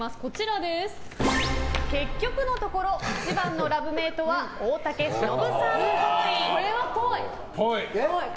結局のところ一番のラブメイトは大竹しのぶさんっぽい。